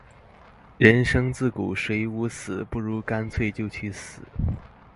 人生自古誰無死，不如乾脆就去死